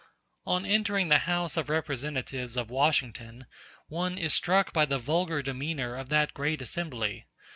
On entering the House of Representatives of Washington one is struck by the vulgar demeanor of that great assembly.